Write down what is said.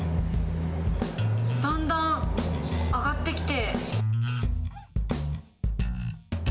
だんだん上がってきて。